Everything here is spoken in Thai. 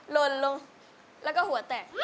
ลนลงแล้วก็หัวแตก